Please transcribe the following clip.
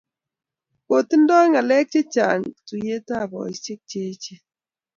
Kotingdoi ng'alek che chang' tuyietab boisiek che echen